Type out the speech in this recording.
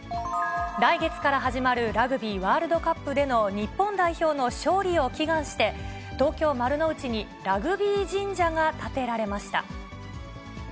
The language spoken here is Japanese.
来月から始まるラグビーワールドカップでの日本代表の勝利を祈願して、東京・丸の内にラグビー神社が建てられました。